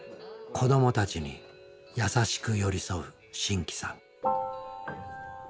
子どもたちに優しく寄り添う真気さん。